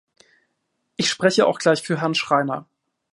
Ich spreche auch gleich für Herrn Schreiner.